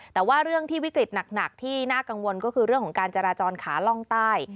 แต่ว่าเรื่องที่วิกฤตหนักที่น่ากังวลก็คือเรื่องของการจราจรขาล่องใต้